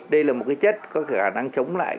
đây là một cái chất có khả năng chống lại